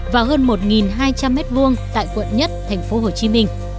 và hơn một hai trăm linh m hai tại quận một tp hcm